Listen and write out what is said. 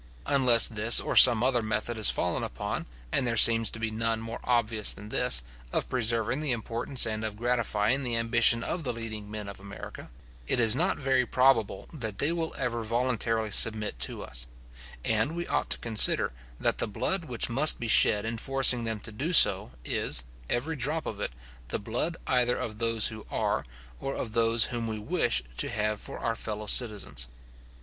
Unless this or some other method is fallen upon, and there seems to be none more obvious than this, of preserving the importance and of gratifying the ambition of the leading men of America, it is not very probable that they will ever voluntarily submit to us; and we ought to consider, that the blood which must be shed in forcing them to do so, is, every drop of it, the blood either of those who are, or of those whom we wish to have for our fellow citizens.